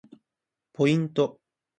ポイント